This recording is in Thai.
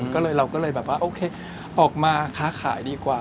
ก็เลยเราก็เลยแบบว่าโอเคออกมาค้าขายดีกว่า